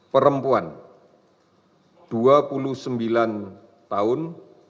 perempuan dua puluh sembilan tahun